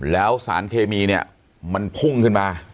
แล้วสารเคมีเนี่ยมันพุ่งขึ้นมา